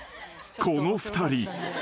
［この２人。